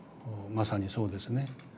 まさにそうですね。